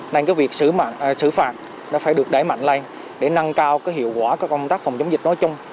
nên cái việc xử phạt nó phải được đáy mạnh lên để năng cao cái hiệu quả của công tác phòng chống dịch nói chung